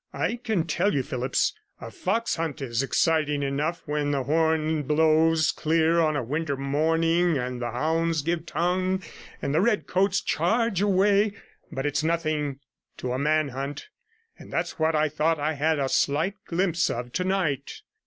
I can tell you, Phillipps, a fox hunt is exciting enough, when the horn blows clear on a winter morning, and the hounds give tongue, and the red coats charge away, but it's nothing to a man hunt, and that's what I had a slight glimpse of tonight.